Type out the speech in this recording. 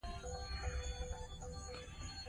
ماري کوري ولې د راډیواکټیف موادو څېړنه وکړه؟